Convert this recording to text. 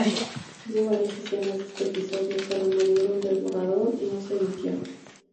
Hubo varias escenas de este episodio se removieron del borrador y no se emitieron.